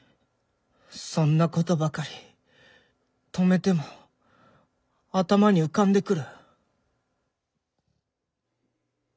そんなことばかり止めても頭に浮かんでくる。